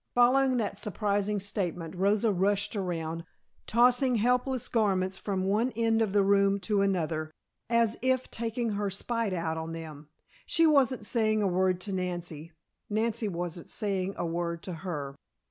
Following that surprising statement Rosa rushed around, tossing helpless garments from one end of the room to another, as if taking her spite out on them. She wasn't saying a word to Nancy; Nancy wasn't saying a word to her.